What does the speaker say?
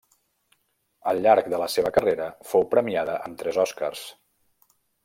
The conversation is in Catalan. Al llarg de la seva carrera, fou premiada amb tres Oscars.